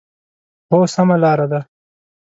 هو، سمه لار ده